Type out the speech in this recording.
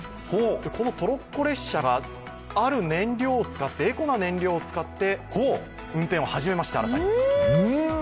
このトロッコ列車が、ある燃料を使って、エコな燃料を使って運転を始めました。